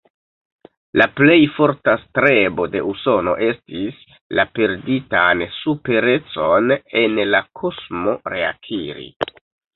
La plej forta strebo de Usono estis, la perditan superecon en la kosmo reakiri.